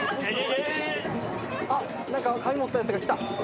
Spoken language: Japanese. ・何か紙持ったやつが来た！